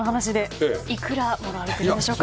いくらもらわれてるんでしょうか。